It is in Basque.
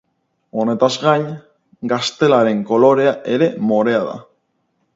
Honetaz gain Gaztelaren kolorea ere morea da.